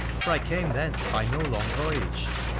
for I came thence by no long voyage.